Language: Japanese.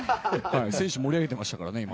選手、盛り上げてましたからね。